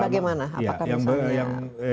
apakah misalnya kantor kantor harus